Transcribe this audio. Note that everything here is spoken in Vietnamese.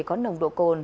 có nồng độ cồn